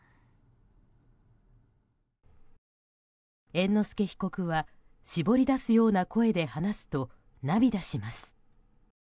猿之助被告は絞り出すような声で話すと涙します。